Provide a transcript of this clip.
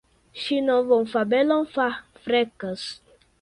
Ŝi novan fabelon verkas!